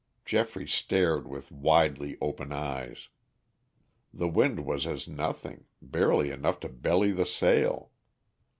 Geoffrey stared with widely open eyes. The wind was as nothing, barely enough to belly the sail.